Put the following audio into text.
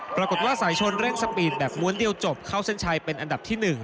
ปรากฏว่าสายชนเร่งสปีดแบบม้วนเดียวจบเข้าเส้นชัยเป็นอันดับที่๑